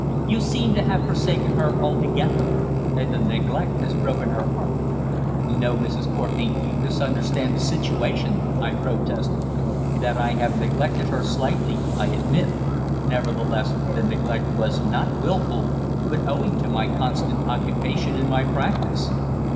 You seem to have forsaken her altogether, and the neglect has broken her heart." "No, Mrs. Courtenay; you misunderstand the situation," I protested. "That I have neglected her slightly I admit; nevertheless the neglect was not wilful, but owing to my constant occupation in my practice."